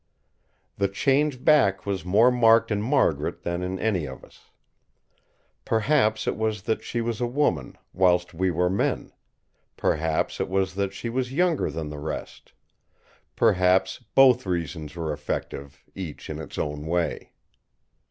The change back was more marked in Margaret than in any of us. Perhaps it was that she was a woman, whilst we were men; perhaps it was that she was younger than the rest; perhaps both reasons were effective, each in its own way.